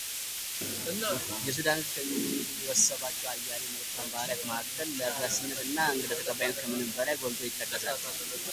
የሱዳን ህዝብ ከሚወሳባቸው አያሌ መልካም ባህሪያት መሀከል ለጋስነት እና እንግዳ ተቀባይነታቸው ከምንም በላይ ጎልቶ ይጠቀሳል